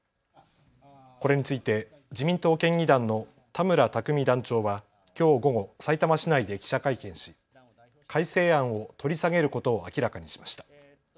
これについて自民党県議団の田村琢実団長はきょう午後、さいたま市内で記者会見し改正案を取り下げることを明らかにしました。